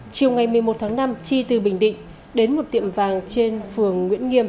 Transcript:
chiều ngày một mươi một tháng năm chi từ bình định đến một tiệm vàng trên phường nguyễn nghiêm